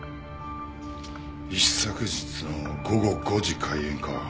一昨日の午後５時開演か。